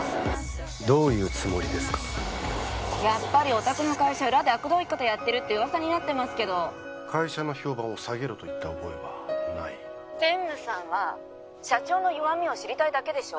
どういうつもりですかやっぱりおたくの会社裏であくどいことやってるって噂になってますけど会社の評判を下げろと言った覚えはない☎専務さんは社長の弱みを知りたいだけでしょ？